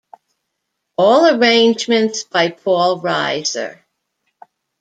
All arrangements by Paul Riser.